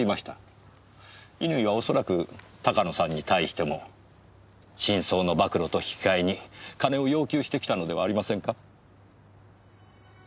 乾は恐らく鷹野さんに対しても真相の暴露と引きかえに金を要求してきたのではありませんか？